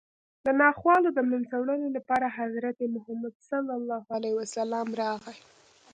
د ناخوالو د منځه وړلو لپاره حضرت محمد صلی الله علیه وسلم راغی